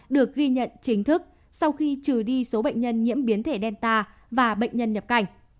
được ghi nhận chính thức sau khi trừ đi số bệnh nhân nhiễm biến thể delta và bệnh nhân nhập cảnh